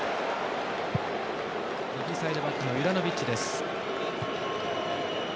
右サイドバックのユラノビッチです。